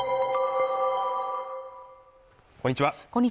こんにちは